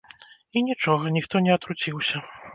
І нічога, ніхто не атруціўся.